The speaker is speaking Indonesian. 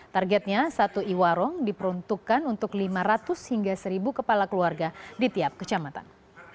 targetnya satu iwarong diperuntukkan untuk lima ratus hingga seribu kepala keluarga di tiap kecamatan